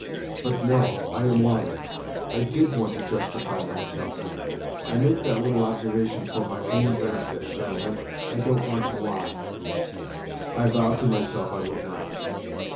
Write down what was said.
... But, no ! I am lying. I did want to justify myself, i make that little observation for my own benefit, gentlemen. I don't want to lie. I vowed to myself I would not.